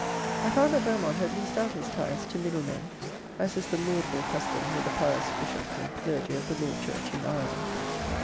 I found that Beaumont had leased out his tithes to middle men, as is the laudable custom with the pious bishops and clergy of the law church in Ireland.